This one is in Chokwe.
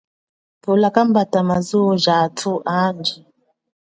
Vula kambata ma zuwo ja athu anji.